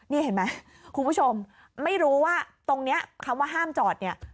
นี่เห็นไหมคุณผู้ชมไม่รู้ว่าตรงนี้คำว่าห้ามจอดเนี่ย